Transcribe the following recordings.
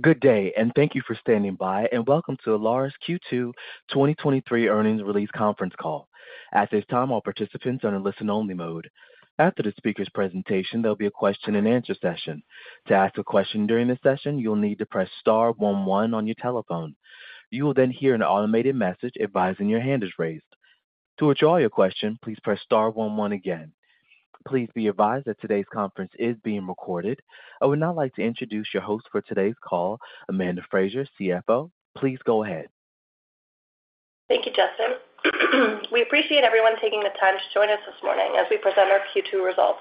Good day, thank you for standing by, and welcome to Alaris Q2 2023 Earnings Release Conference Call. At this time, all participants are in listen-only mode. After the speaker's presentation, there'll be a question-and-answer session. To ask a question during this session, you will need to press star one one on your telephone. You will hear an automated message advising your hand is raised. To withdraw your question, please press star one one again. Please be advised that today's conference is being recorded. I would now like to introduce your host for today's call, Amanda Frazer, CFO. Please go ahead. Thank you, Justin. We appreciate everyone taking the time to join us this morning as we present our Q2 results.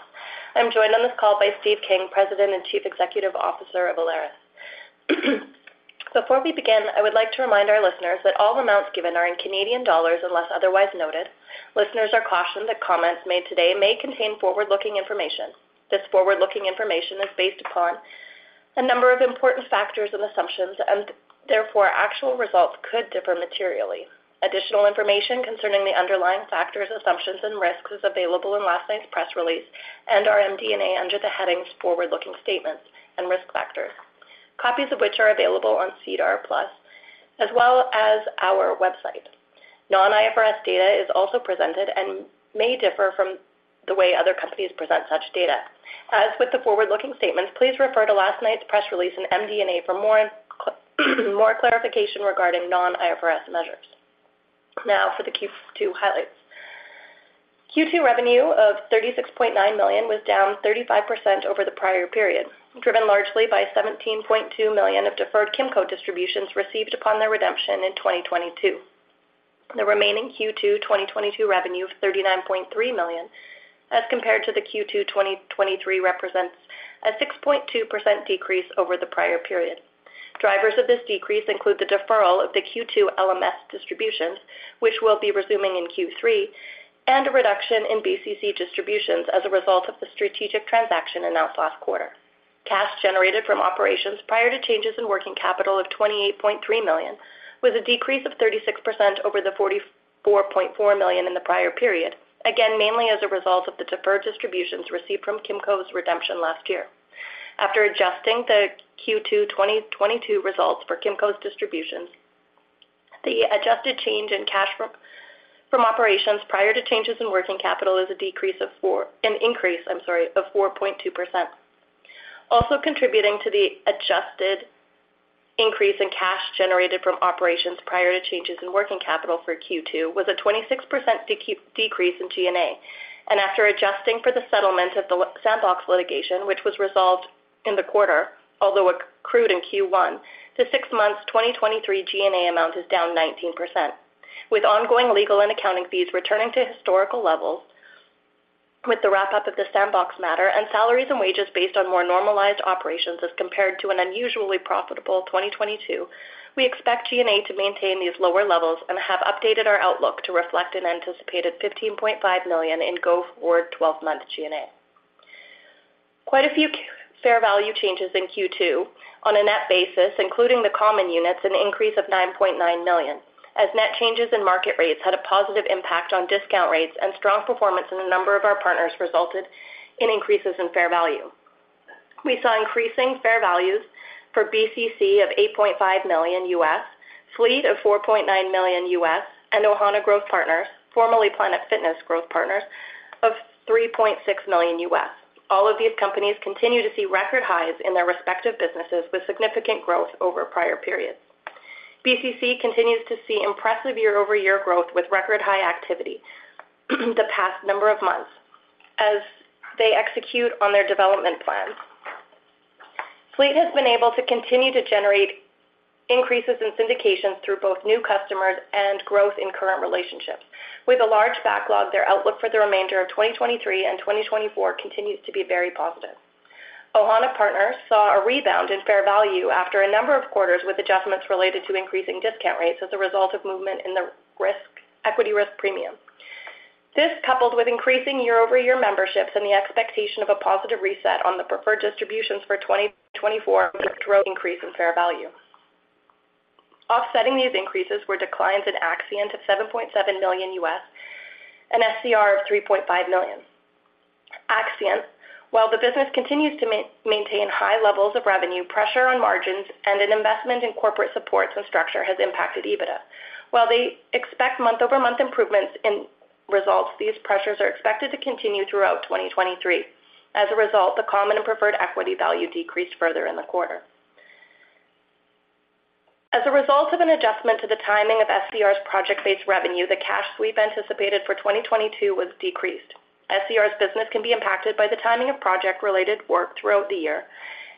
I'm joined on this call by Steve King, President and Chief Executive Officer of Alaris. Before we begin, I would like to remind our listeners that all amounts given are in Canadian dollars, unless otherwise noted. Listeners are cautioned that comments made today may contain forward-looking information. This forward-looking information is based upon a number of important factors and assumptions, therefore, actual results could differ materially. Additional information concerning the underlying factors, assumptions, and risks is available in last night's press release and our MD&A under the headings Forward-Looking Statements and Risk Factors, copies of which are available on SEDAR+, as well as our website. Non-IFRS data is also presented and may differ from the way other companies present such data. As with the forward-looking statements, please refer to last night's press release and MD&A for more, more clarification regarding non-IFRS measures. Now for the Q2 highlights. Q2 revenue of 36.9 million was down 35% over the prior period, driven largely by 17.2 million of deferred Kimco distributions received upon their redemption in 2022. The remaining Q2 2022 revenue of 39.3 million, as compared to the Q2 2023, represents a 6.2% decrease over the prior period. Drivers of this decrease include the deferral of the Q2 LMS distributions, which will be resuming in Q3, and a reduction in BCC distributions as a result of the strategic transaction announced last quarter. Cash generated from operations prior to changes in working capital of 28.3 million, was a decrease of 36% over the 44.4 million in the prior period, again, mainly as a result of the deferred distributions received from Kimco's redemption last year. After adjusting the Q2 2022 results for Kimco's distributions, the adjusted change in cash from, from operations prior to changes in working capital is an increase, I'm sorry, of 4.2%. Contributing to the adjusted increase in cash generated from operations prior to changes in working capital for Q2 was a 26% decrease in G&A. After adjusting for the settlement of the Sandbox litigation, which was resolved in the quarter, although accrued in Q1, the six months 2023 G&A amount is down 19%, with ongoing legal and accounting fees returning to historical levels with the wrap-up of the Sandbox matter and salaries and wages based on more normalized operations as compared to an unusually profitable 2022. We expect G&A to maintain these lower levels and have updated our outlook to reflect an anticipated 15.5 million in go-forward 12-month G&A. Quite a few fair value changes in Q2 on a net basis, including the common units, an increase of 9.9 million, as net changes in market rates had a positive impact on discount rates and strong performance in a number of our partners resulted in increases in fair value. We saw increasing fair values for BCC of $8.5 million, Fleet of $4.9 million, and Ohana Growth Partners, formerly Planet Fitness Growth Partners, of $3.6 million. All of these companies continue to see record highs in their respective businesses, with significant growth over prior periods. BCC continues to see impressive year-over-year growth, with record high activity, the past number of months as they execute on their development plans. Fleet has been able to continue to generate increases in syndications through both new customers and growth in current relationships. With a large backlog, their outlook for the remainder of 2023 and 2024 continues to be very positive. Ohana Partners saw a rebound in fair value after a number of quarters, with adjustments related to increasing discount rates as a result of movement in the equity risk premium. This, coupled with increasing year-over-year memberships and the expectation of a positive reset on the preferred distributions for 2024, drove increase in fair value. Offsetting these increases were declines in Axient of $7.7 million and SCR of $3.5 million. Axient, while the business continues to maintain high levels of revenue, pressure on margins, and an investment in corporate supports and structure, has impacted EBITDA. While they expect month-over-month improvements in results, these pressures are expected to continue throughout 2023. As a result, the common and preferred equity value decreased further in the quarter. As a result of an adjustment to the timing of SCR's project-based revenue, the cash sweep anticipated for 2022 was decreased. SCR's business can be impacted by the timing of project-related work throughout the year.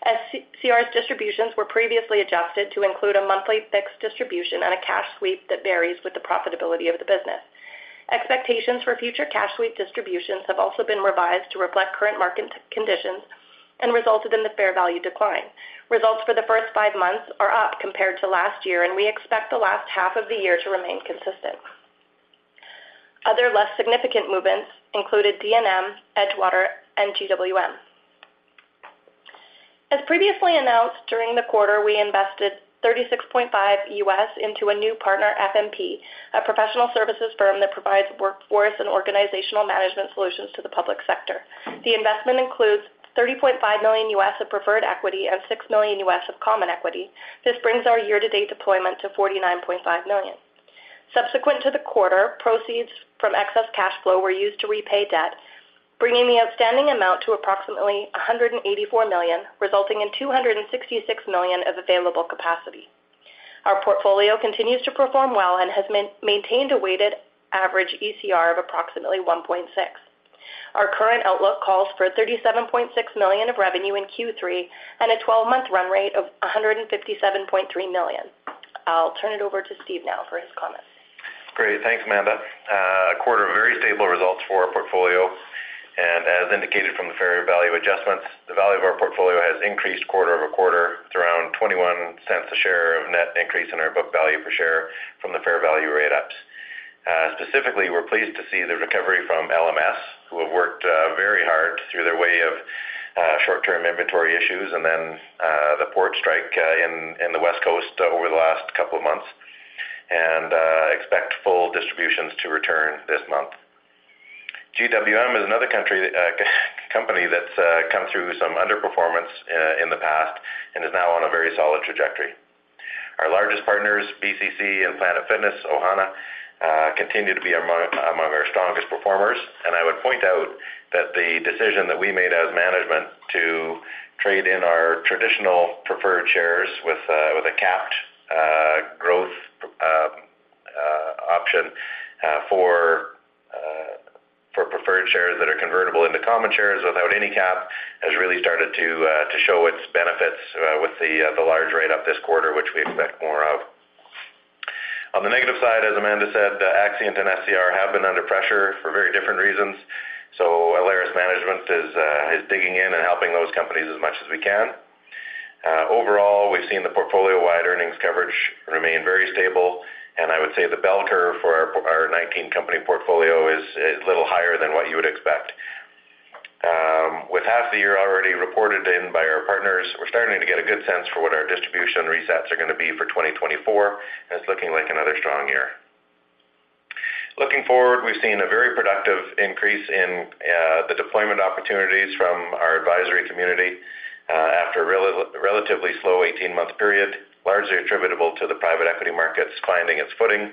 SCR's distributions were previously adjusted to include a monthly fixed distribution and a cash sweep that varies with the profitability of the business. Expectations for future cash sweep distributions have also been revised to reflect current market conditions and resulted in the fair value decline. Results for the first five months are up compared to last year, and we expect the last half of the year to remain consistent. Other less significant movements included DNM, Edgewater, and GWM. As previously announced, during the quarter, we invested $36.5 million into a new partner, FMP, a professional services firm that provides workforce and organizational management solutions to the public sector. The investment includes $30.5 million of preferred equity and $6 million of common equity. This brings our year-to-date deployment to 49.5 million. Subsequent to the quarter, proceeds from excess cash flow were used to repay debt, bringing the outstanding amount to approximately 184 million, resulting in 266 million of available capacity. Our portfolio continues to perform well and has maintained a weighted average ECR of approximately 1.6. Our current outlook calls for 37.6 million of revenue in Q3 and a 12-month run rate of 157.3 million. I'll turn it over to Steve now for his comments. Great. Thanks, Amanda. A quarter of very stable results for our portfolio, and as indicated from the fair value adjustments, the value of our portfolio has increased quarter-over-quarter to around 0.21 per share of net increase in our book value per share from the fair value rate ups. Specifically, we're pleased to see the recovery from LMS, who have worked very hard through their way of short-term inventory issues and then the port strike in the West Coast over the last couple of months, and expect full distributions to return this month. GWM is another company that's come through some underperformance in the past and is now on a very solid trajectory. Our largest partners, BCC and Planet Fitness, Ohana, continue to be among our strongest performers. I would point out that the decision that we made as management to trade in our traditional preferred shares with a capped growth option for preferred shares that are convertible into common shares without any cap, has really started to show its benefits with the large rate up this quarter, which we expect more of. On the negative side, as Amanda said, Axient and SCR have been under pressure for very different reasons, so Alaris management is digging in and helping those companies as much as we can. Overall, we've seen the portfolio-wide earnings coverage remain very stable, and I would say the bell curve for our, our 19-company portfolio is a little higher than what you would expect. With half the year already reported in by our partners, we're starting to get a good sense for what our distribution resets are going to be for 2024. It's looking like another strong year. Looking forward, we've seen a very productive increase in the deployment opportunities from our advisory community, after a relatively slow 18-month period, largely attributable to the private equity markets finding its footing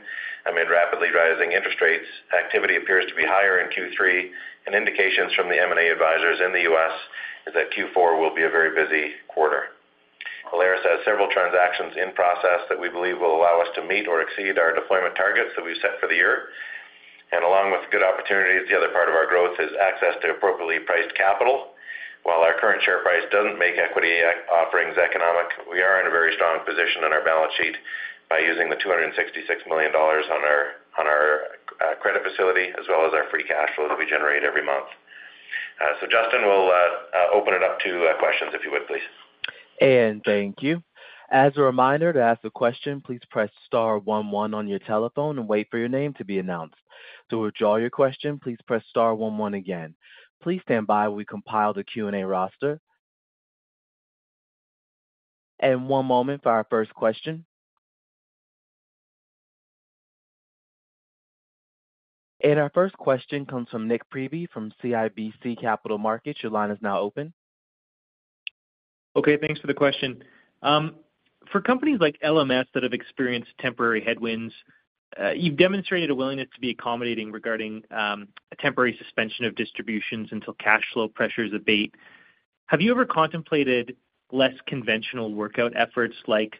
amid rapidly rising interest rates. Activity appears to be higher in Q3. Indications from the M&A advisors in the US is that Q4 will be a very busy quarter. Alaris has several transactions in process that we believe will allow us to meet or exceed our deployment targets that we've set for the year. Along with good opportunities, the other part of our growth is access to appropriately priced capital. While our current share price doesn't make equity offerings economic, we are in a very strong position on our balance sheet by using the $266 million on our, on our credit facility, as well as our free cash flow that we generate every month. Justin, we'll open it up to questions, if you would, please. Thank you. As a reminder, to ask a question, please press star one one on your telephone and wait for your name to be announced. To withdraw your question, please press star one one again. Please stand by while we compile the Q&A roster. One moment for our first question. Our first question comes from Nik Priebe, from CIBC Capital Markets. Your line is now open. Okay, thanks for the question. For companies like LMS that have experienced temporary headwinds, you've demonstrated a willingness to be accommodating regarding a temporary suspension of distributions until cash flow pressures abate. Have you ever contemplated less conventional workout efforts, like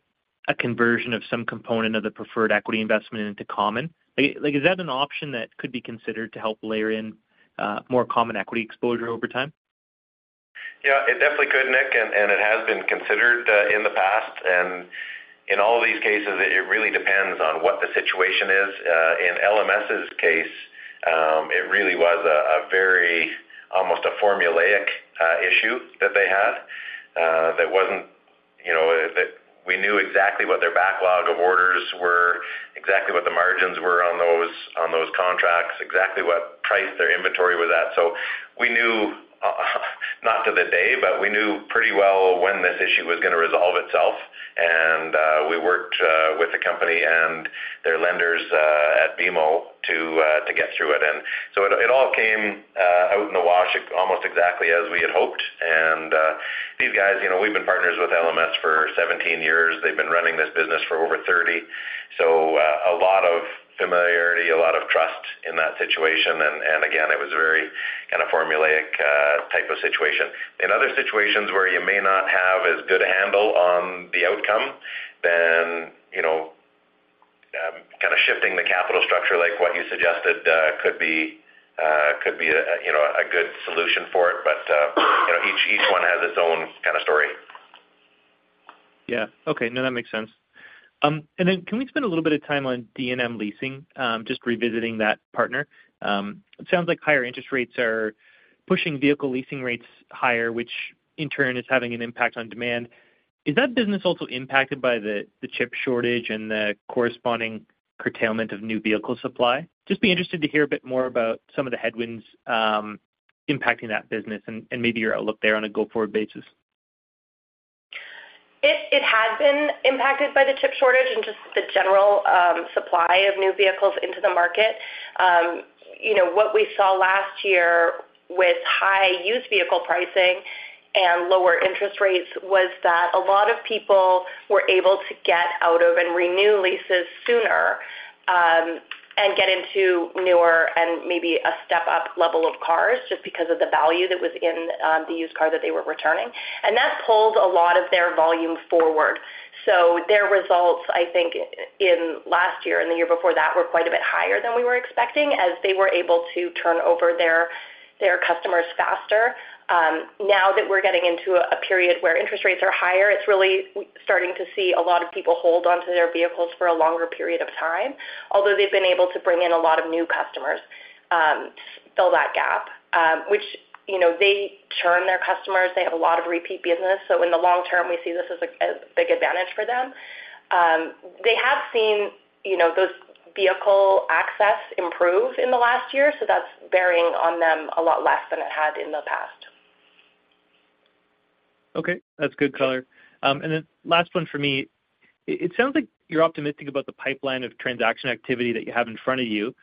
a conversion of some component of the preferred equity investment into common? Like, is that an option that could be considered to help layer in more common equity exposure over time? Yeah, it definitely could, Nik, and, and it has been considered in the past. In all of these cases, it really depends on what the situation is. In LMS's case, it really was a, a very, almost a formulaic issue that they had that wasn't, you know, that we knew exactly what their backlog of orders were, exactly what the margins were on those, on those contracts, exactly what price their inventory was at. We knew not to the day, but we knew pretty well when this issue was going to resolve itself. We worked with the company and their lenders at BMO to get through it. So it, it all came out in the wash, almost exactly as we had hoped. These guys, you know, we've been partners with LMS for 17 years. They've been running this business for over 30. A lot of familiarity, a lot of trust in that situation. Again, it was very kind of formulaic type of situation. In other situations where you may not have as good a handle on the outcome, then, you know, kind of shifting the capital structure like what you suggested, could be, could be a, you know, a good solution for it. You know, each, each one has its own kind of story. Yeah. Okay. No, that makes sense. Can we spend a little bit of time on D&M Leasing? Just revisiting that partner. It sounds like higher interest rates are pushing vehicle leasing rates higher, which in turn is having an impact on demand. Is that business also impacted by the, the chip shortage and the corresponding curtailment of new vehicle supply? Just be interested to hear a bit more about some of the headwinds, impacting that business and, and maybe your outlook there on a go-forward basis. It, it has been impacted by the chip shortage and just the general supply of new vehicles into the market. You know, what we saw last year with high used vehicle pricing and lower interest rates was that a lot of people were able to get out of and renew leases sooner and get into newer and maybe a step-up level of cars, just because of the value that was in the used car that they were returning. That pulled a lot of their volume forward. Their results, I think, in last year and the year before that, were quite a bit higher than we were expecting, as they were able to turn over their, their customers faster. Now that we're getting into a period where interest rates are higher, it's really starting to see a lot of people hold onto their vehicles for a longer period of time. Although they've been able to bring in a lot of new customers to fill that gap, which, you know, they churn their customers. They have a lot of repeat business, so in the long term, we see this as a, a big advantage for them. They have seen, you know, those vehicle access improve in the last year, so that's bearing on them a lot less than it had in the past. Okay, that's good color. Then last one for me. It sounds like you're optimistic about the pipeline of transaction activity that you have in front of you.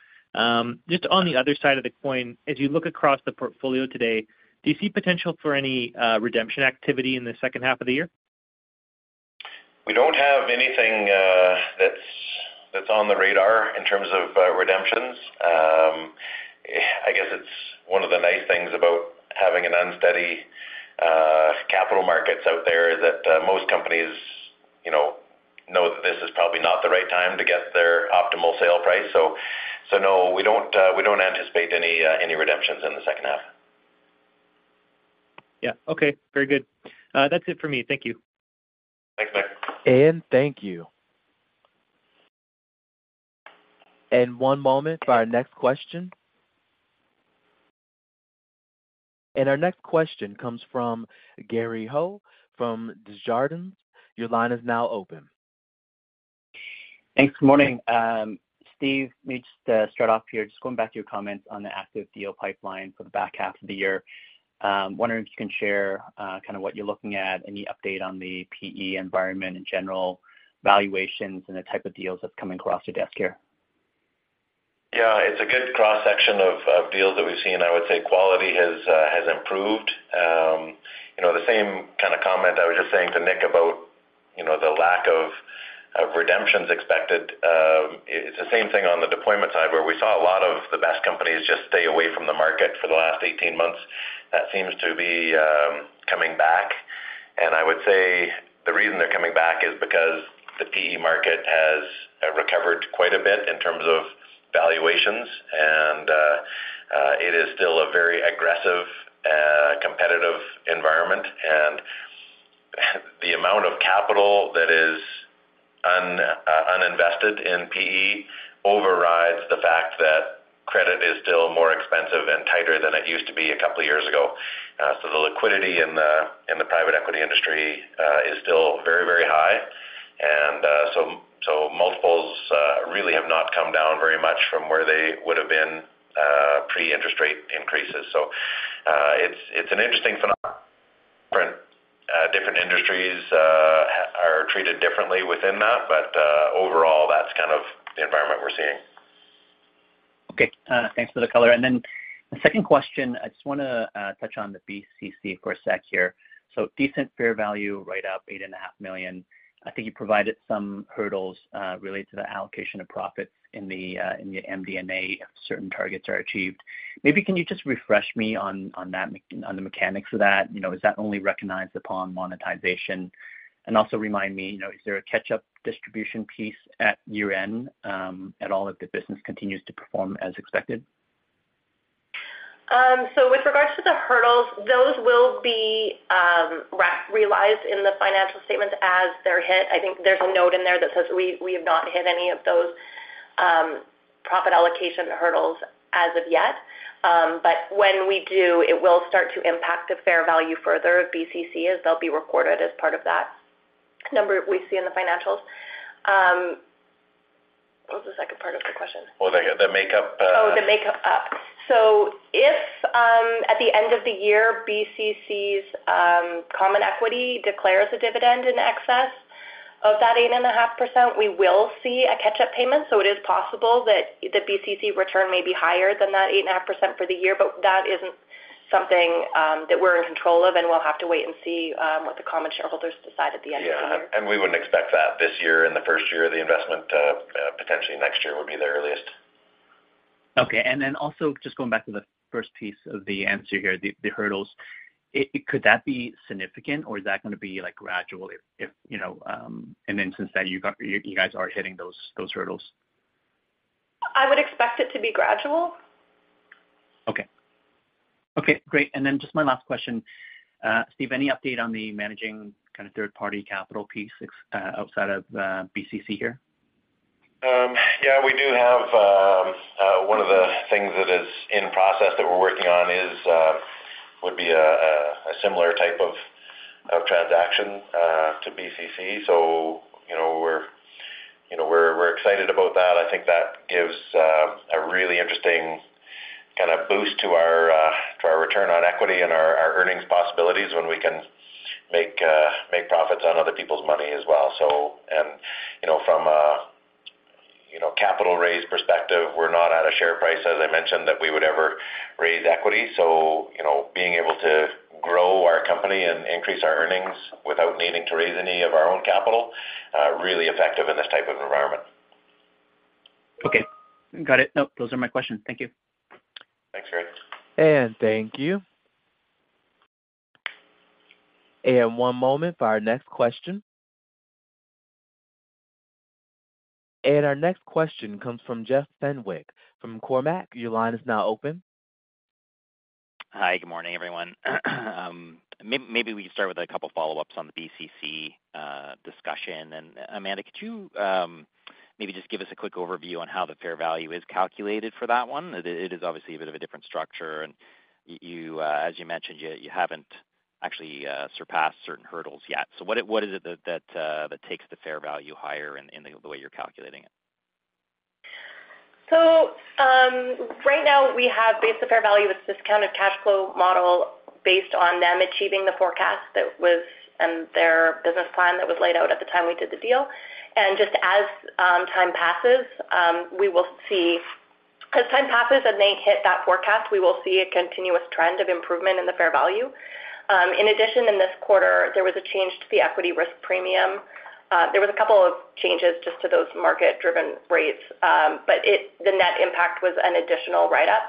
Just on the other side of the coin, as you look across the portfolio today, do you see potential for any redemption activity in the second half of the year? We don't have anything that's on the radar in terms of redemptions. I guess it's one of the nice things about having an unsteady capital markets out there, is that most companies, you know, know that this is probably not the right time to get their optimal sale price. No, we don't anticipate any redemptions in the second half. Yeah. Okay, very good. That's it for me. Thank you. Thanks, Nik. Thank you. One moment for our next question. Our next question comes from Gary Ho, from Desjardins. Your line is now open. Thanks. Good morning, Steve, maybe just to start off here, just going back to your comments on the active deal pipeline for the back half of the year. Wondering if you can share, kind of what you're looking at, any update on the PE environment and general valuations and the type of deals that's coming across your desk here? Yeah, it's a good cross-section of, of deals that we've seen. I would say quality has has improved. You know, the same kind of comment I was just saying to Nik about, you know, the lack of, of redemptions expected. It's the same thing on the deployment side, where we saw a lot of the best companies just stay away from the market for the last 18 months. That seems to be coming back, and I would say the reason they're coming back is because the PE market has recovered quite a bit in terms of valuations, and it is still a very aggressive competitive environment. The amount of capital that is uninvested in PE overrides the fact that credit is still more expensive and tighter than it used to be a couple of years ago. The liquidity in the, in the private equity industry, is still very, very high. Multiples, really have not come down very much from where they would've been, pre-interest rate increases. It's an interesting phenomenon. Different industries, are treated differently within that, but, overall, that's kind of the environment we're seeing. Okay, thanks for the color. The second question, I just wanna touch on the BCC for a second here. Decent fair value, right up 8.5 million. I think you provided some hurdles, related to the allocation of profits in the, in the MD&A, if certain targets are achieved. Maybe can you just refresh me on, on that, on the mechanics of that? You know, is that only recognized upon monetization? Also remind me, you know, is there a catch-up distribution piece at year-end, at all, if the business continues to perform as expected? With regards to the hurdles, those will be realized in the financial statements as they're hit. I think there's a note in there that says we, we have not hit any of those profit allocation hurdles as of yet. When we do, it will start to impact the fair value further of BCC, as they'll be recorded as part of that number we see in the financials. What was the second part of the question? Well, the, the makeup. The makeup up. If, at the end of the year, BCC's common equity declares a dividend in excess of that 8.5%, we will see a catch-up payment. It is possible that the BCC return may be higher than that 8.5% for the year, but that isn't something that we're in control of, and we'll have to wait and see what the common shareholders decide at the end of the year. Yeah, we wouldn't expect that this year, in the 1st year of the investment. Potentially next year would be the earliest. Okay, and then also just going back to the first piece of the answer here, the, the hurdles. Could that be significant, or is that gonna be, like, gradual if, if, you know? Since then, you guys are hitting those, those hurdles? I would expect it to be gradual. Okay. Okay, great, and then just my last question. Steve, any update on the managing kind of third-party capital piece, outside of BCC here? Yeah, we do have one of the things that is in process that we're working on is, would be a similar type of transaction to BCC. You know, we're, you know, we're, we're excited about that. I think that gives a really interesting kind of boost to our return on equity and our earnings possibilities when we can make profits on other people's money as well. You know, from... you know, capital raise perspective, we're not at a share price, as I mentioned, that we would ever raise equity. You know, being able to grow our company and increase our earnings without needing to raise any of our own capital, really effective in this type of environment. Okay. Got it. Nope, those are my questions. Thank you. Thanks, Gary. Thank you. One moment for our next question. Our next question comes from Jeff Fenwick from Cormark. Your line is now open. Hi, good morning, everyone. Maybe we can start with a couple follow-ups on the BCC discussion. Amanda, could you maybe just give us a quick overview on how the fair value is calculated for that one? It is obviously a bit of a different structure, and you, as you mentioned, you haven't actually surpassed certain hurdles yet. What is, what is it that, that takes the fair value higher in, in the way you're calculating it? Right now, we have based the fair value with discounted cash flow model based on them achieving the forecast that was in their business plan that was laid out at the time we did the deal. As time passes and they hit that forecast, we will see a continuous trend of improvement in the fair value. In addition, in this quarter, there was a change to the equity risk premium. There was a couple of changes just to those market-driven rates, but the net impact was an additional write-up.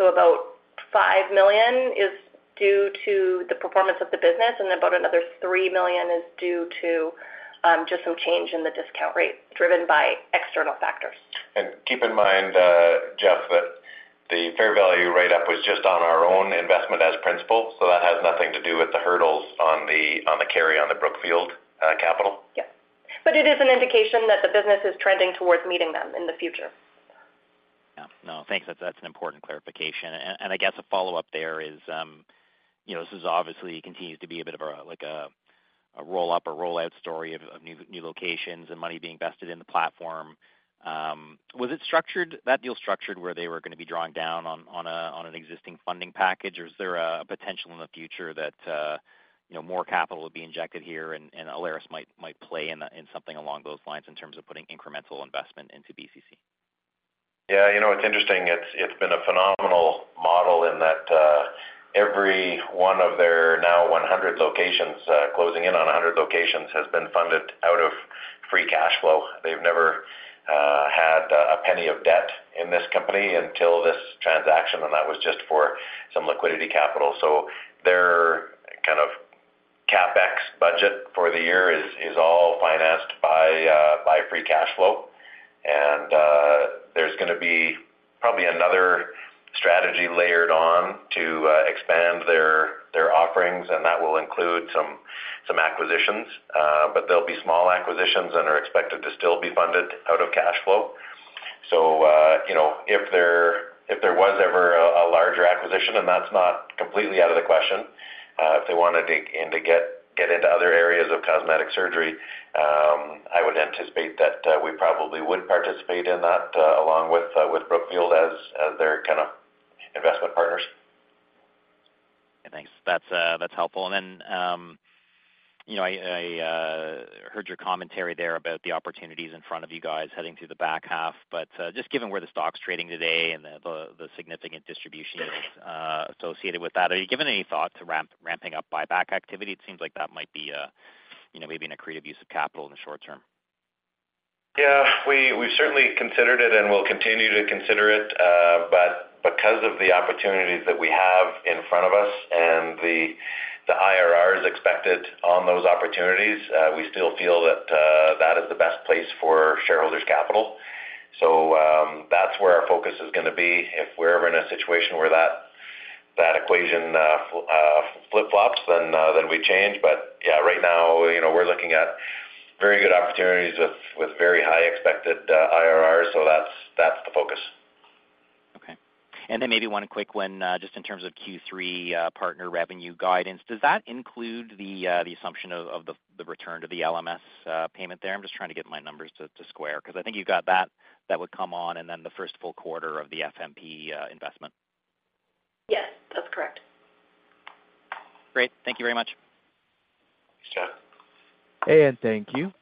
About 5 million is due to the performance of the business, and about another 3 million is due to just some change in the discount rate, driven by external factors. Keep in mind, Jeff, that the fair value write-up was just on our own investment as principle, so that has nothing to do with the hurdles on the, on the carry on the Brookfield capital. It is an indication that the business is trending towards meeting them in the future. Yeah. No, thanks. That's, that's an important clarification. I guess a follow-up there is, you know, this is obviously continues to be a bit of a, like a, a roll-up or rollout story of, of new, new locations and money being invested in the platform. Was it structured, that deal structured where they were gonna be drawing down on an existing funding package, or is there a potential in the future that, you know, more capital will be injected here and Alaris might, might play in something along those lines in terms of putting incremental investment into BCC? Yeah, you know, it's interesting. It's, it's been a phenomenal model in that, every one of their now 100 locations, closing in on 100 locations, has been funded out of free cash flow. They've never had a penny of debt in this company until this transaction, and that was just for some liquidity capital. Their kind of CapEx budget for the year is all financed by free cash flow. There's gonna be probably another strategy layered on to expand their offerings, and that will include some acquisitions. They'll be small acquisitions and are expected to still be funded out of cash flow. You know, if there, if there was ever a, a larger acquisition, and that's not completely out of the question, if they wanted to, and to get, get into other areas of cosmetic surgery, I would anticipate that we probably would participate in that along with with Brookfield as, as their kind of investment partners. Thanks. That's, that's helpful. Then, you know, I, I, heard your commentary there about the opportunities in front of you guys heading through the back half. Just given where the stock's trading today and the, the, the significant distribution, associated with that, have you given any thought to ramping up buyback activity? It seems like that might be a, you know, maybe an accretive use of capital in the short term. Yeah, we, we've certainly considered it, and we'll continue to consider it. Because of the opportunities that we have in front of us and the, the IRRs expected on those opportunities, we still feel that, that is the best place for shareholders' capital. That's where our focus is gonna be. If we're ever in a situation where that, that equation, flip-flops, then, then we change. Yeah, right now, you know, we're looking at very good opportunities with, with very high expected, IRRs. That's, that's the focus. Okay. Then maybe one quick one, just in terms of Q3 partner revenue guidance. Does that include the assumption of the return to the LMS payment there? I'm just trying to get my numbers to square, because I think you got that, that would come on, and then the first full quarter of the FMP investment. Yes, that's correct. Great. Thank you very much. Thanks, Jeff. Thank you.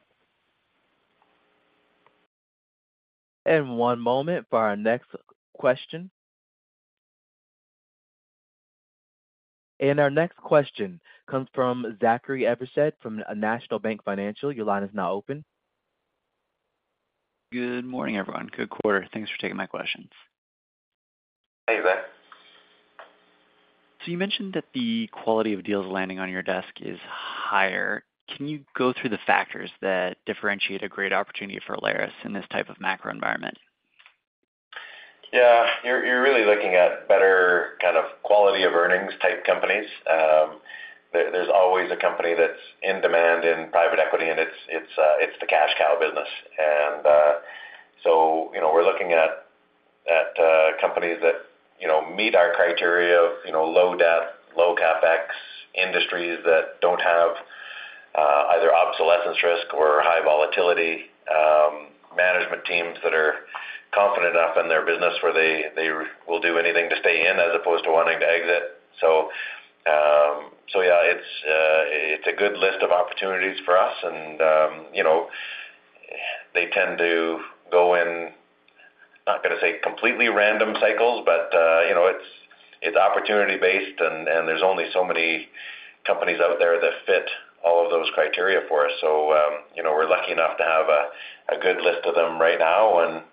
One moment for our next question. Our next question comes from Zachary Evershed from National Bank Financial. Your line is now open. Good morning, everyone. Good quarter. Thanks for taking my questions. Hey, Zach. You mentioned that the quality of deals landing on your desk is higher. Can you go through the factors that differentiate a great opportunity for Alaris in this type of macro environment? Yeah. You're, you're really looking at better kind of quality of earnings type companies. There, there's always a company that's in demand in private equity, and it's, it's, it's the cash cow business. So, you know, we're looking at, at, companies that, you know, meet our criteria of, you know, low debt, low CapEx, industries that don't have, either obsolescence risk or high volatility, management teams that are confident enough in their business where they, they will do anything to stay in as opposed to wanting to exit. So, yeah, it's, it's a good list of opportunities for us, and, you know, they tend to go in, not gonna say completely random cycles, but, you know, it's, it's opportunity-based, and, and there's only so many companies out there that fit all of those criteria for us. You know, we're lucky enough to have a, a good list of them right now, and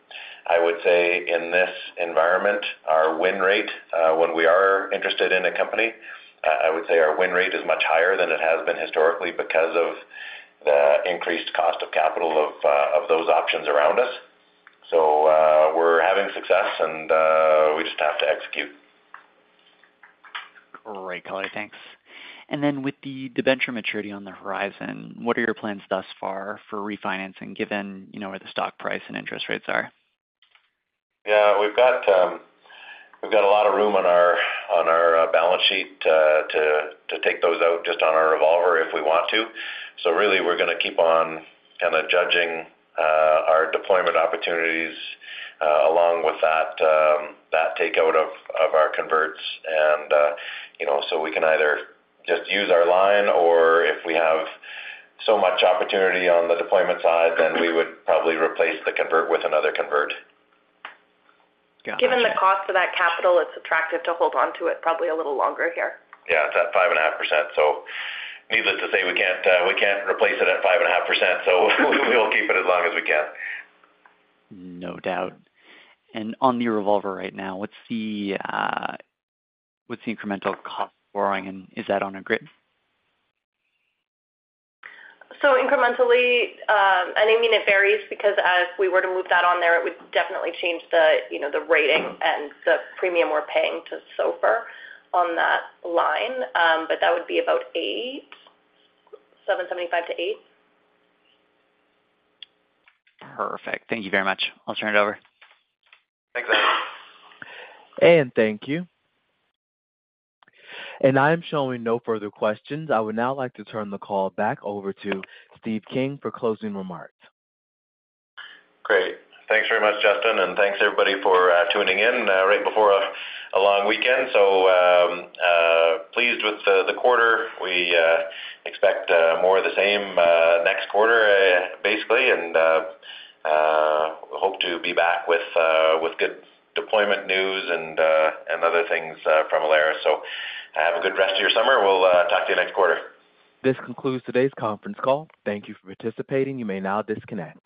I would say in this environment, our win rate, when we are interested in a company, I, I would say our win rate is much higher than it has been historically because of the increased cost of capital of, of those options around us. We're having success, and we just have to execute. Great, Steve, thanks. Then, with the debenture maturity on the horizon, what are your plans thus far for refinancing, given, you know, where the stock price and interest rates are? Yeah, we've got, we've got a lot of room on our, on our, balance sheet, to, to take those out just on our revolver if we want to. Really, we're gonna keep on kinda judging, our deployment opportunities, along with that, that take out of, of our converts. You know, so we can either just use our line, or if we have so much opportunity on the deployment side, then we would probably replace the convert with another convert. Gotcha. Given the cost of that capital, it's attractive to hold onto it probably a little longer here. Yeah, it's at 5.5%, so needless to say, we can't, we can't replace it at 5.5%, so we will keep it as long as we can. No doubt. On the revolver right now, what's the, what's the incremental cost of borrowing, and is that on a grid? Incrementally, and I mean, it varies because as we were to move that on there, it would definitely change the, you know, the rating and the premium we're paying to SOFR on that line. That would be about 8.75%-8%. Perfect. Thank you very much. I'll turn it over. Thanks. Thank you. I'm showing no further questions. I would now like to turn the call back over to Steve King for closing remarks. Great. Thanks very much, Justin, and thanks everybody for tuning in right before a long weekend. Pleased with the quarter. We expect more of the same next quarter, basically, and hope to be back with good deployment news and other things from Alaris. Have a good rest of your summer, we'll talk to you next quarter. This concludes today's conference call. Thank you for participating. You may now disconnect.